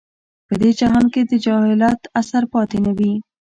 په دې جهان کې د جاهلیت اثر پاتې نه وي.